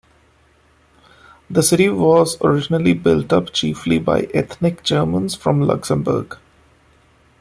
The city was originally built up chiefly by ethnic Germans from Luxembourg.